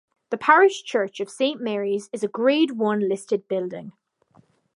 The Parish Church of Saint Mary's is a Grade One listed building.